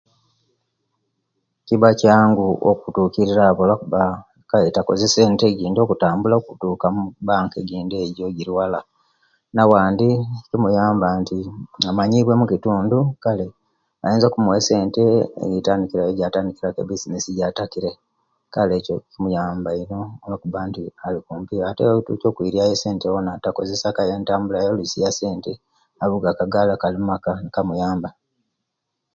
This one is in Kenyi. Kiba kyangu okutukirira abo lwakuba kale takozesya esente enyinji okutambula okutuka omubanka ejindi egyo ejili ewala na'wandi kimuyamba nti amanyuwa omukitundu kale bayinza okumuwa esente ejitandikra ku ebizinesi ejatakale kale ekyo kimuyamba eino lwakuba nti okwilyayo esente kyona kimuyamba eino oba avuga akagali kamuyamba